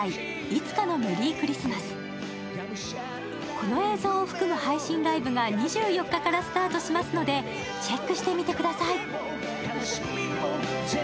この映像を含む配信ライブが２４日からスタートしますのでチェックしてみてください。